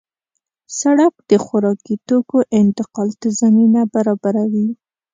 سړک د خوراکي توکو انتقال ته زمینه برابروي.